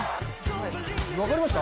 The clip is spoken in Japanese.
分かりました？